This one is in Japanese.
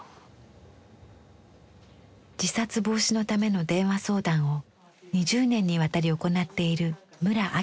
自殺防止のための電話相談を２０年にわたり行っている村明子さん。